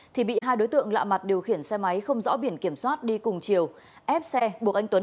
thì bị hai đối tượng lạ mặt điều khiển xe máy không rõ biển kiểm soát đi cùng chiều ép xe buộc anh tuấn